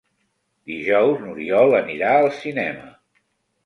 Dijous n'Oriol anirà al cinema.